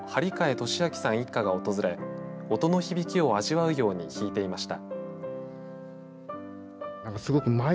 利明さん一家が訪れ音の響きを味わうように弾いていました。